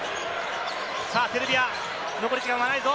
セルビア、残り時間はないぞ！